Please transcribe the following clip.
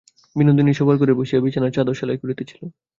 বিনোদিনী শোবার ঘরে বসিয়া বিছানার চাদর সেলাই করিতেছিল।